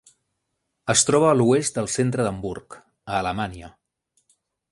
Es troba a l'oest del centre d'Hamburg a Alemanya.